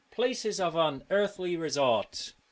places of unearthly resort.